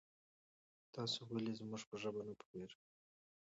تاسو ولې زمونږ په ژبه نه پوهیږي؟